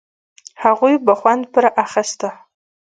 هغوی به خوند پر اخيسته.